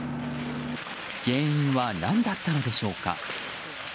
原因は何だったのでしょうか。